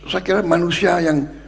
saya kira manusia yang